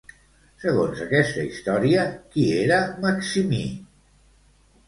Segons aquesta història, qui era Maximí?